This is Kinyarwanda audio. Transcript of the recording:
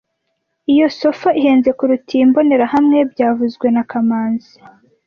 Iyo sofa ihenze kuruta iyi mbonerahamwe byavuzwe na kamanzi